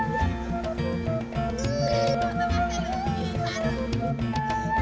jamu itu sesungguhnya